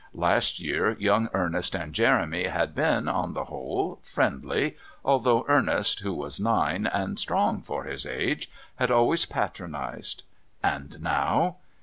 Last year young Ernest and Jeremy had been, on the whole, friendly, although Ernest, who was nine, and strong for his age, had always patronised. And now?